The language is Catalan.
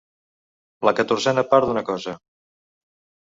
La catorzena part d'una cosa.